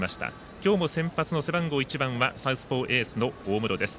今日も先発の背番号１番はサウスポー、エースの大室です。